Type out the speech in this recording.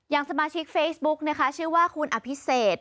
อย่างสมาชิกเฟซบุคชื่อว่าคุณอภิเษษ